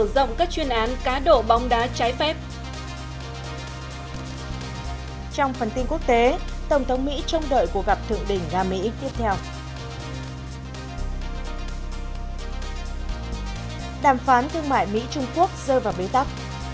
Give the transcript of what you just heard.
đàm phán thương mại mỹ trung quốc rơi vào bế tắc